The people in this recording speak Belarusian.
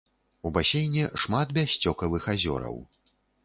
У басейне шмат бяссцёкавых азёраў.